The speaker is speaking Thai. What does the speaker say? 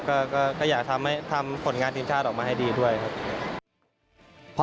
ก็อยากทำผลงานทีมชาติออกมาให้ดีด้วยครับ